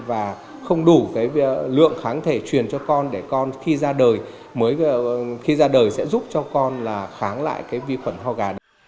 và không đủ cái lượng kháng thể truyền cho con để con khi ra đời mới khi ra đời sẽ giúp cho con là kháng lại cái vi khuẩn ho gà